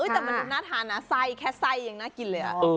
แต่มันดูน่าทานนะไส้แค่ไส้ยังน่ากินเลย